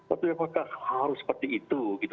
apakah harus seperti itu